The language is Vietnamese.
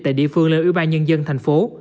tại địa phương lên ủy ban nhân dân thành phố